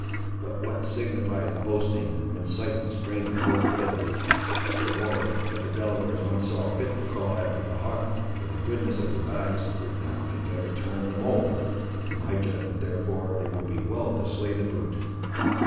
But what signifies boasting, when sight and strength are both failing. The warrior, that the Delawares once saw fit to call after the Hawk, for the goodness of his eyes, would now be better termed the Mole! In my judgment, therefore, it will be well to slay the brute."